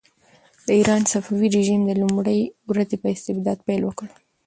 د ایران صفوي رژیم له لومړۍ ورځې په استبداد پیل وکړ.